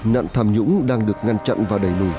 nạn tham nhũng đang được ngăn chặn và đẩy nổi